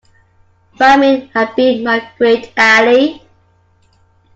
Famine had been my great ally.